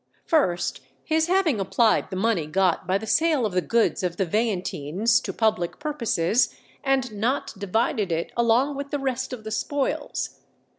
First, his having applied the money got by the sale of the goods of the Veientines to public purposes, and not divided it along with the rest of the spoils.